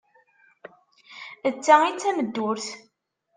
D ta i d tameddurt!